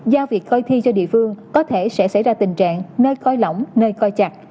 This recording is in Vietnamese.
giao việc coi thi cho địa phương có thể sẽ xảy ra tình trạng nơi coi lỏng nơi coi chặt